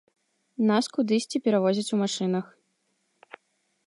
Нас кудысьці перавозяць у машынах.